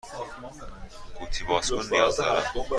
قوطی باز کن نیاز دارم.